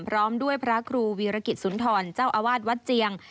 พร้อมด้วยพระกลูบวิรกฤตท์ศุนย์ถอนเจ้าอวาสวัสดิ์เจียง